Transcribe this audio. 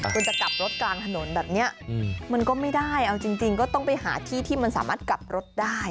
คุณจะกลับรถกลางถนนแบบนี้มันก็ไม่ได้เอาจริงก็ต้องไปหาที่ที่มันสามารถกลับรถได้